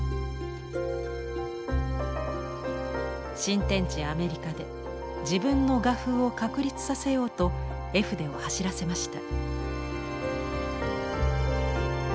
新天地アメリカで自分の画風を確立させようと絵筆を走らせました。